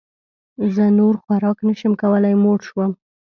زه نور خوراک نه شم کولی موړ شوم